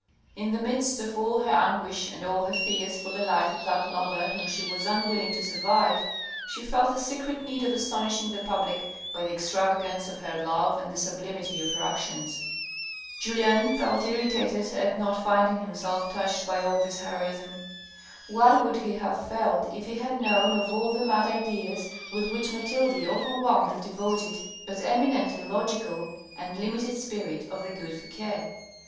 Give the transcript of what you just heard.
In the midst of all her anguish and all her fears for the life of that lover whom she was unwilling to survive, she felt a secret need of astonishing the public by the extravagance of her love and the sublimity of her actions. Julien felt irritated at not finding himself touched by all this heroism. What would he have felt if he had known of all the mad ideas with which Mathilde overwhelmed the devoted but eminently logical and limited spirit of the good Fouque ?